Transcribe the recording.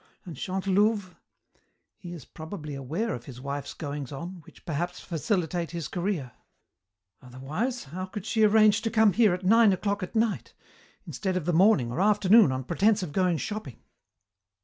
And Chantelouve? He is probably aware of his wife's goings on, which perhaps facilitate his career. Otherwise, how could she arrange to come here at nine o'clock at night, instead of the morning or afternoon on pretence of going shopping?"